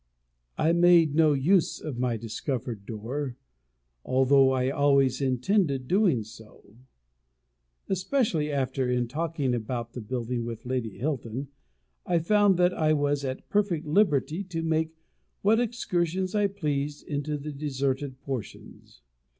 I made no use of my discovered door, although I always intended doing so; especially after, in talking about the building with Lady Hilton, I found that I was at perfect liberty to make what excursions I pleased into the deserted portions.